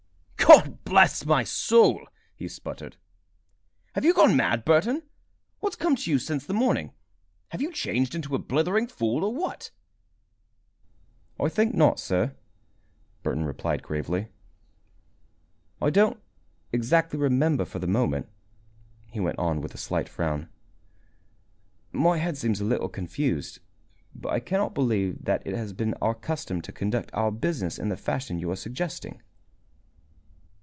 "God bless my soul!" he spluttered. "Have you gone mad, Burton? What's come to you since the morning? Have you changed into a blithering fool, or what?" "I think not, sir," Burton replied, gravely. "I don't exactly remember for the moment," he went on with a slight frown. "My head seems a little confused, but I cannot believe that it has been our custom to conduct our business in the fashion you are suggesting."